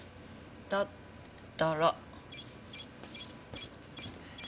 だったら。